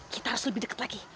kita harus lebih dekat lagi